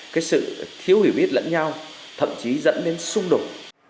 cái sự thiếu hiểu biết lẫn nhau thậm chí dẫn đến xung đột